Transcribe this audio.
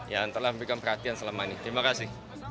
yang telah memberikan perhatian selama ini terima kasih